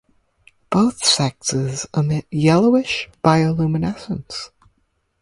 Both sexes emit yellowish bioluminescence.